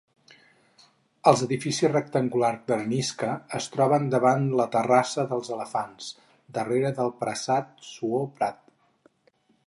Els edificis rectangulars d'arenisca es troben davant la Terrassa dels Elefants, darrere del Prasat Suor Prat.